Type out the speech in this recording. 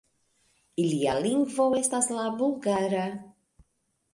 Ilia lingvo estas la bulgara.